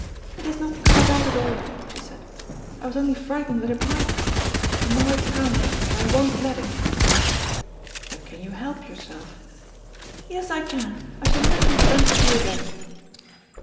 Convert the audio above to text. "It has not come about at all," she said, "I was only frightened that it might come, and now it can't come, for I won't let it." "But can you help yoursel'?" "Yes, I can. I shall never be friends with you again."